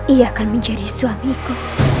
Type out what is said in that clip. ia akan menjadi suamiku